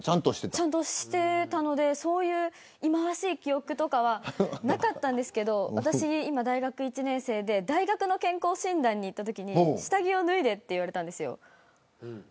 ちゃんとしてたのでそういう忌まわしい記憶とかはなかったんですけど私は今、大学１年生で大学の健康診断に行ったときに下着を脱いでと言われたんです。